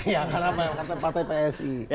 ya kenapa yang kata pak psi